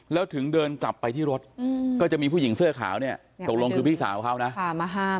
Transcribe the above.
แล้วถึงเดินกลับไปที่รถก็จะมีผู้หญิงเสื้อขาวเนี่ยตกลงคือพี่สาวเขานะ